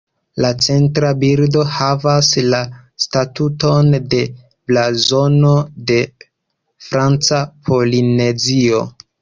La centra bildo havas la statuson de blazono de Franca Polinezio.